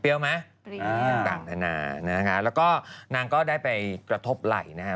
เปรี้ยวไหมเปรี้ยวต่างนะคะแล้วก็นางก็ได้ไปกระทบไหล่นะฮะ